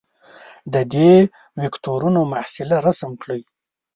د دې وکتورونو محصله رسم کړئ.